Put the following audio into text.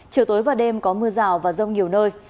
chiều tối và đêm có mưa rào và rông nhiều nơi